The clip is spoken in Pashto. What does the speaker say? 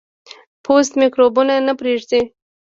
پوست میکروبونه نه پرېږدي.